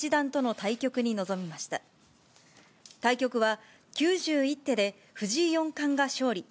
対局は、９１手で藤井四冠が勝利。